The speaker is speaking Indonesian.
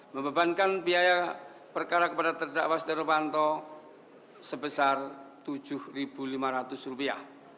membebankan biaya perkara kepada terdakwa seteru banto sebesar tujuh ribu lima ratus rupiah